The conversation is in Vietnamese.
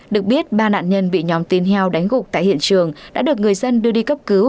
được biết ba nạn nhân bị nhóm tin heo đánh gục tại hiện trường đã được người dân đưa đi cấp cứu